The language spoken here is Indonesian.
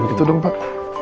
itu dong pak